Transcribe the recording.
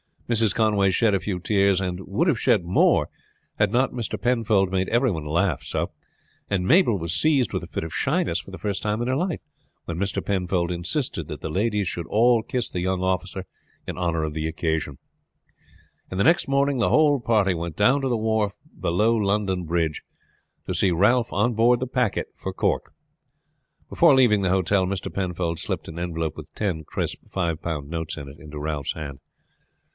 Mrs. Conway shed a few tears, and would have shed more had not Mr. Penfold made every one laugh so; and Mabel was seized with a fit of shyness for the first time in her life when Mr. Penfold insisted that the ladies should all kiss the young officer in honor of the occasion. And the next morning the whole party went down to the wharf below London Bridge to see Ralph on board the packet for Cork. Before leaving the hotel Mr. Penfold slipped an envelope with ten crisp five pound notes in it into Ralph's hand.